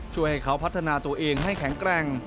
ช่วยให้เขาพัฒนาตัวเองให้แข็งแกร่ง